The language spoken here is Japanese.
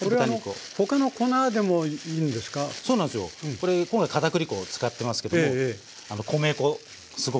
これ今回片栗粉を使ってますけども米粉すごくいいです。